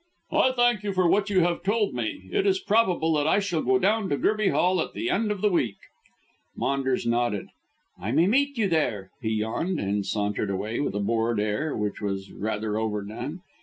"I thank you for what you have told me. It is probable that I shall go down to Gerby Hall at the end of the week." Maunders nodded. "I may meet you there," he yawned, and sauntered away with a bored air, which was rather overdone.